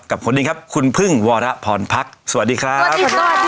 กับคนนี้ครับคุณพึ่งวรพรพักษ์สวัสดีครับ